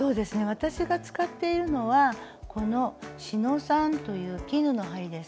私が使っているのはこの「四ノ三」という絹の針です。